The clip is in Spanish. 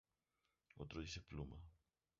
Otro dice "Pluma".